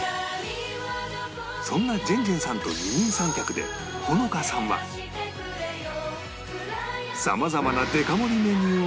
そんなジェンジェンさんと二人三脚で穂乃花さんはさまざまなデカ盛りメニューを考案